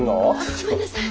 ごめんなさい。